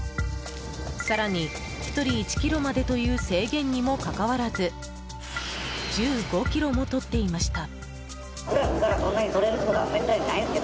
更に、１人１ｋｇまでという制限にもかかわらず１５ｋｇもとっていました。